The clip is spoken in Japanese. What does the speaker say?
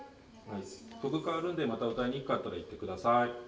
曲かわるんでまた歌いにくかったら言ってください。